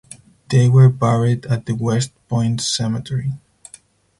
They were buried at the West Point Cemetery.